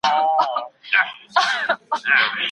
رشوت مه ورکوه.